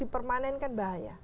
permanen kan bahaya